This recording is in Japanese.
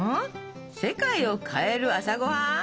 「世界を変える朝ごはん」？